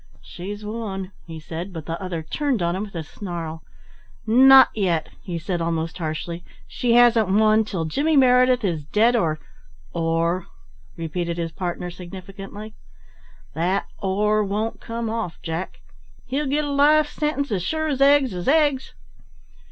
"She's won," he said, but the other turned on him with a snarl. "Not yet!" he said almost harshly. "She hasn't won till Jimmy Meredith is dead or " "Or ?" repeated his partner significantly. "That 'or' won't come off, Jack. He'll get a life sentence as sure as 'eggs is eggs.'